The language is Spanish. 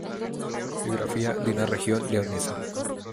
Biografía de una región leonesa".